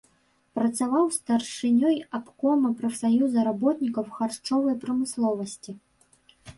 Працаваў старшынёй абкома прафсаюза работнікаў харчовай прамысловасці.